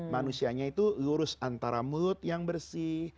manusianya itu lurus antara mulut yang bersih